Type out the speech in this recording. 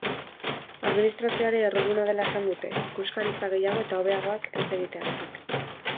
Administrazioa ere erruduna dela esan dute, ikuskaritza gehiago eta hobeagoak ez egiteagatik.